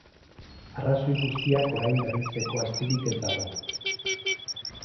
Arrazoi guztiak orain berritzeko astirik ez dago.